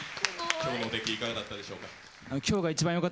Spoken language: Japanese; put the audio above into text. きょうのできいかがだったでしょうか。